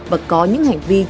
và có thể được phát triển